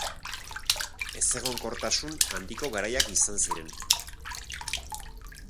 Ezegonkortasun handiko garaiak izan ziren.